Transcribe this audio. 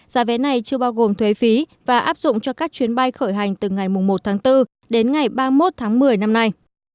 giá vé này chưa bao gồm thuế phí và áp dụng cho các chuyến bay khởi hành từ ngày một tháng bốn đến ngày ba mươi một tháng một mươi năm nay